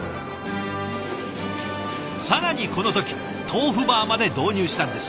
更にこの時豆腐バーまで導入したんです。